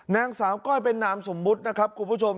นางสาวก้อยเป็นนามสมมุตินะครับคุณผู้ชม